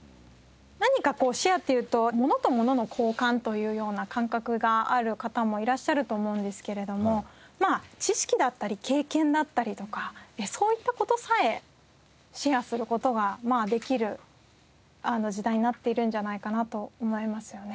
何かこうシェアっていうと物と物の交換というような感覚がある方もいらっしゃると思うんですけれどもまあ知識だったり経験だったりとかそういった事さえシェアする事ができる時代になっているんじゃないかなと思いますよね。